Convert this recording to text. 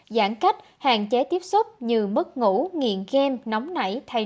giãn cách hạn chế tiếp xúc như mất ngủ nghiện gam nóng nảy